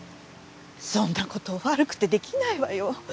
そんなこと悪くてできないわよ。